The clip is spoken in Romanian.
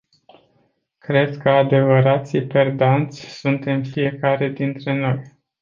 Cred că adevărații perdanți suntem fiecare dintre noi.